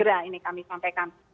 segera ini kami sampaikan